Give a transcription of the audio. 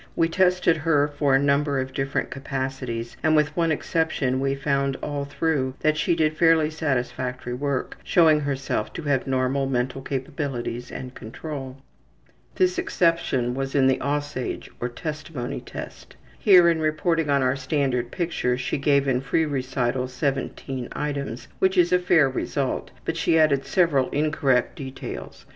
We tested her for a number of different capacities and, with one exception, we found all through that she did fairly satisfactory work, showing herself to have normal mental capabilities and control. This exception was in the ``Aussage'' or testimony test. Here in reporting on our standard picture she gave in free recital 17 items, which is a fair result, but she added several incorrect details.